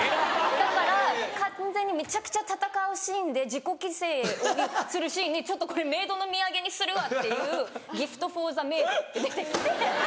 だから完全にめちゃくちゃ戦うシーンで自己犠牲するシーンに「ちょっとこれメイドの土産にするわ」っていう「ギフトフォーザメイド」って出てて。